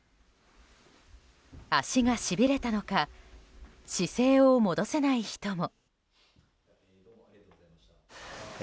足がしびれたのか姿勢を戻せない人も。